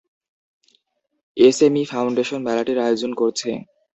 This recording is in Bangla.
এসএমই ফাউন্ডেশন মেলাটির আয়োজন করছে।